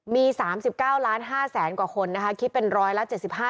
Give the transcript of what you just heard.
มี๓๙๕๐๐๐๐๐กว่าคนนะคะคิดเป็น๑๗๕๗๑ร้อยละ